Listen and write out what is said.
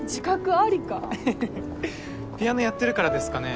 ありかピアノやってるからですかね？